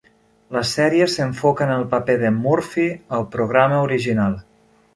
La sèrie s'enfoca en el paper de Murphy al programa original.